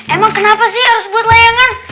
emang kenapa sih harus buat layangan